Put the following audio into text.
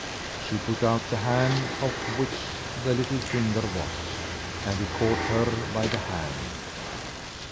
She put out the hand off which the little finger was, and he caught her by the hand.